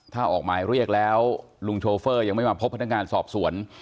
ถ้าออกหมายเรียกแล้วลุงโชเฟอร์ยังไม่มาพบพนักงานสอบสวน